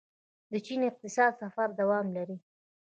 د چین اقتصادي سفر دوام لري.